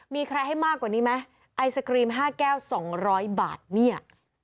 มีใครให้มากกว่านี้ไหมไอศกรีม๕แก้ว๒๐๐บาทเนี่ย